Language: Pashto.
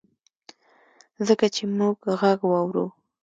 ځکه چي مونږ ږغ واورو